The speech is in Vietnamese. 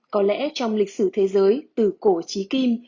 có lẽ trong lịch sử thế giới từ cổ trí kim